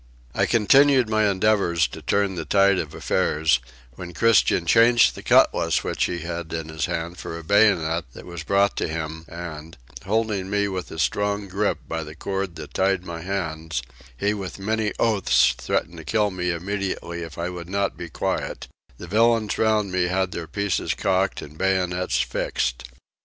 I continued my endeavours to turn the tide of affairs, when Christian changed the cutlass which he had in his hand for a bayonet that was brought to him and, holding me with a strong grip by the cord that tied my hands, he with many oaths threatened to kill me immediately if I would not be quiet: the villains round me had their pieces cocked and bayonets fixed.